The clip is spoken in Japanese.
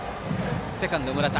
セカンド村田